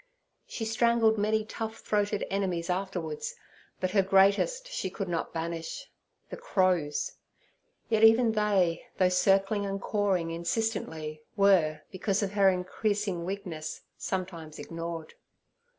She strangled many tough throated enemies afterwards, but her greatest she could not banish—the crows; yet even they, though circling and cawing insistently, were, because of her increasing weakness, sometimes ignored.